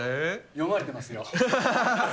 読まれてますよ。